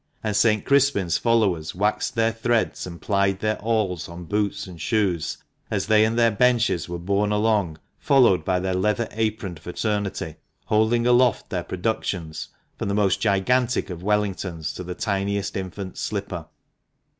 And St. Crispin's followers waxed their threads and plied their awls on boots and shoes as they and their benches were borne along, followed by their leather aproned fraternity, holding aloft their productions, from the most gigantic of Wellingtons to the tiniest infant's slipper.